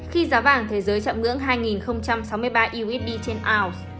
khi giá vàng thế giới chạm ngưỡng hai sáu mươi ba usd trên ảo